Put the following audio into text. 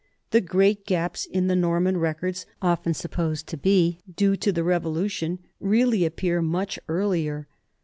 The great gaps in the Norman records, often supposed to be due to the Revolution, really appear much earlier.